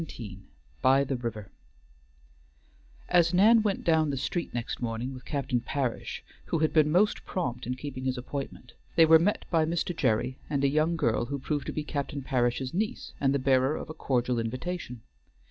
XVII BY THE RIVER As Nan went down the street next morning with Captain Parish, who had been most prompt in keeping his appointment, they were met by Mr. Gerry and a young girl who proved to be Captain Parish's niece and the bearer of a cordial invitation.